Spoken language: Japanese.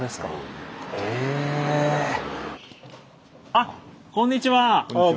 あっこんにちは！